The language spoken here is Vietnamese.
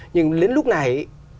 nhưng đến lúc này